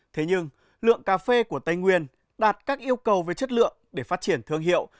thế nhưng lượng cà phê của tây nguyên đạt các yêu cầu về chất lượng để phát triển thương hiệu